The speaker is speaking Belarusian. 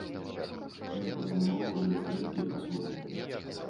Ён прапанаваў прадаць рэдкі асобнік.